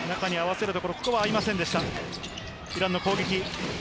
イランの攻撃。